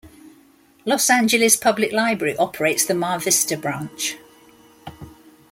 Los Angeles Public Library operates the Mar Vista Branch.